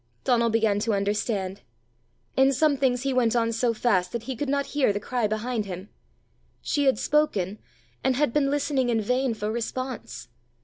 Donal began to understand. In some things he went on so fast that he could not hear the cry behind him. She had spoken, and had been listening in vain for response!